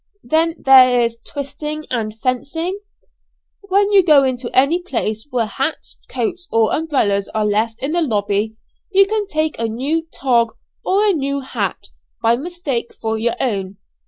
"Then there is 'twisting' and 'fencing?'" "When you go into any place where hats, coats, or umbrellas are left in the lobby, you can take a new 'tog,' or a new hat, by mistake for your own.